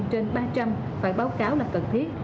trên ba trăm linh phải báo cáo là cần thiết